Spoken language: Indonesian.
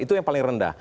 itu yang paling rendah